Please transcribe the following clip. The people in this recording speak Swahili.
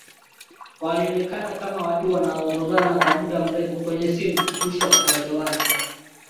Walionekana kama watu wanaozozana kwa muda mrefu kwenye simu mwisho wakaelewana